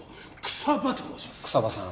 草葉さん。